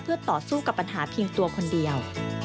เพื่อต่อสู้กับปัญหาเพียงตัวคนเดียว